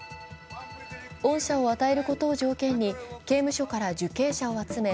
恩赦を与えることを条件に刑務所から受刑者を集め